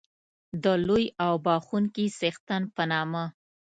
د لوی او بښوونکي څښتن په نامه.